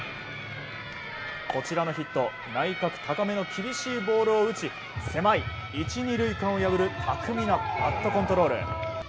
こちらのヒット内角高めの厳しいボールを打ち狭い１、２塁間を破る巧みなバットコントロール。